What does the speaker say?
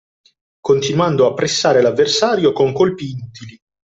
Continuando a pressare l’avversario con colpi inutili